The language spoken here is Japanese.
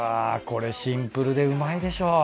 これシンプルでうまいでしょ。